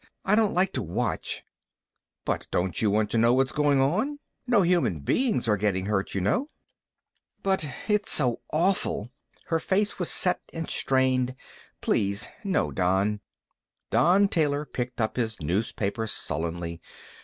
I don't like to watch." "But don't you want to know what's going on? No human beings are getting hurt, you know." "But it's so awful!" Her face was set and strained. "Please, no, Don." Don Taylor picked up his newspaper sullenly.